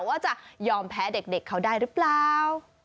ว่าจะยอมแพ้เด็กเขาได้หรือเปล่า